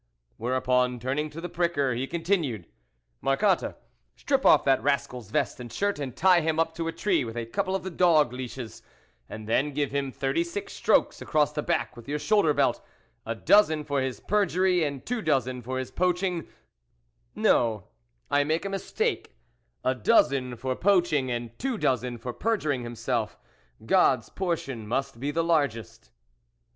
Whereupon turning to the pricker, he continued :" Marcotte, strip off that rascal's vest and shirt, and tie him up to a tree with a couple of the dog leashes and then give him thirty six strokes across the back with your shoulder belt, a dozen for his perjury, and two dozen for his poaching ; no, I make a mistake, a dozen for poaching and two dozen for perjuring himself, God's portion must be the largest."